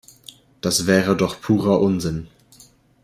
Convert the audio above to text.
Das wäre doch purer Unsinn.